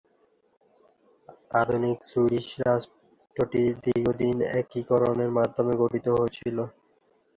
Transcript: আধুনিক সুইডিশ রাষ্ট্রটি দীর্ঘদিন একীকরণের মাধ্যমে গঠিত হয়েছিল।